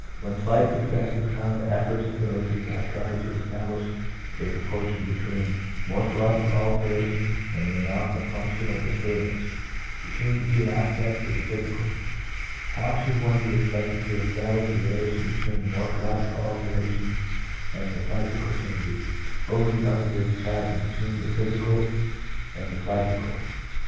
When slight success has crowned the efforts of those who have tried to establish a proportion between morpho logical alterations and the amount of functional dis turbance 1 (between the two aspects of the physical), how should one be expected to establish the relation between the morphological alterations and the psychical changes, over that unbridged chasm between the physical and the psychical?